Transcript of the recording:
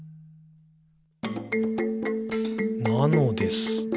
「なのです。」